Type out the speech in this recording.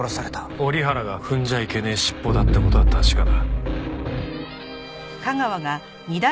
折原が踏んじゃいけねえシッポだって事は確かだ。